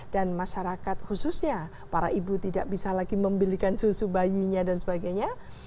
dan masyarakat khususnya para ibu tidak bisa lagi membelikan susu bayinya dan sebagainya